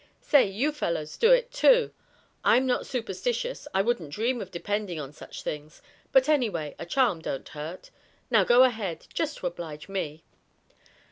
Say, you fellows do it, too. I'm not superstitious, I wouldn't dream of depending on such things, but anyway, a charm don't hurt. Now go ahead; just to oblige me."